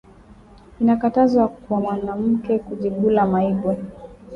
Ina katazwa kwa mwanamuke kuchibula maibwe